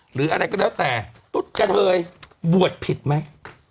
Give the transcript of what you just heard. หรืออะไรก็แล้วแต่ตุ๊ดกระเทยบวชผิดไหม